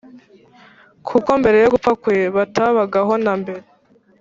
kuko mbere yo gupfa kwe bitabagaho na mbere.